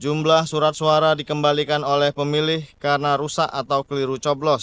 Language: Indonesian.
jumlah surat suara dikembalikan oleh pemilih karena rusak atau keliru coblos